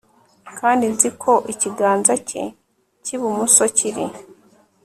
kandi nzi ko ikiganza cye cyibumoso kiri